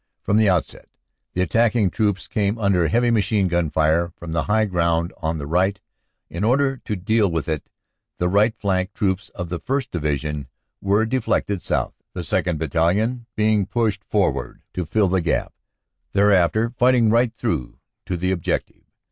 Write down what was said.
From the outset the attacking troops came under heavy machine gun fire, from the high ground on the right. In order to deal with it the right flank troops of the 1st. Divi sion were deflected south, the 2nd. Battalion being pushed forward to fill the gap, thereafter fighting right through to the objective.